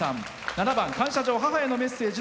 ７番「感謝状母へのメッセージ」